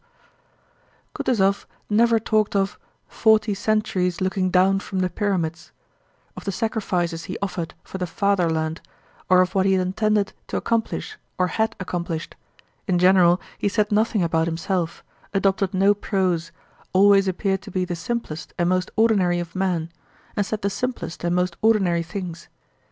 Kutúzov never talked of "forty centuries looking down from the Pyramids," of the sacrifices he offered for the fatherland, or of what he intended to accomplish or had accomplished; in general he said nothing about himself, adopted no pose, always appeared to be the simplest and most ordinary of men, and said the simplest and most ordinary things.